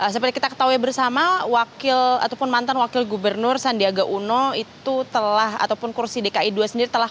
seperti kita ketahui bersama wakil ataupun mantan wakil gubernur sandiaga uno itu telah ataupun kursi dki dua sendiri telah